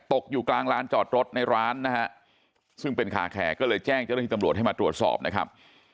ตกอยู่กลางร้านจอดรถในร้านนะฮะซึ่งเป็นคาแคร์ก็เลยแจ้งเจ้าหน้าที่ตำรวจให้มาตรวจสอบนะครับ